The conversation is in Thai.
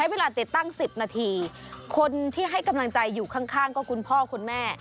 เวลาติดตั้ง๑๐นาทีคนที่ให้กำลังใจอยู่ข้างก็คุณพ่อคุณแม่